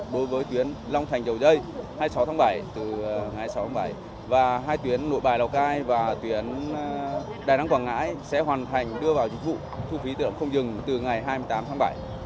hai mươi sáu đối với tuyến long thành dầu dây hai mươi sáu tháng bảy từ ngày hai mươi sáu tháng bảy và hai tuyến nội bài lào cai và tuyến đài đăng quảng ngãi sẽ hoàn thành đưa vào dịch vụ thu phí tự động không dừng từ ngày hai mươi tám tháng bảy